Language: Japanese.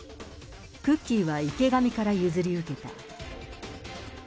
クッキーは池上から譲り受けた。